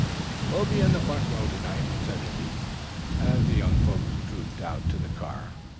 "We'll be in the front row to morrow night," said Hippy, as the young folks trooped out to the car.